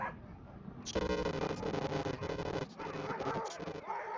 青藏黄耆为豆科黄芪属的植物。